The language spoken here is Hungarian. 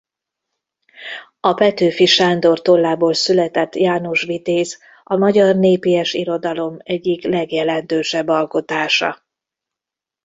A Petőfi Sándor tollából született János vitéz a magyar népies irodalom egyik legjelentősebb alkotása.